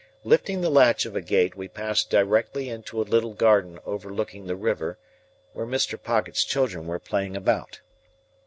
Lifting the latch of a gate, we passed direct into a little garden overlooking the river, where Mr. Pocket's children were playing about.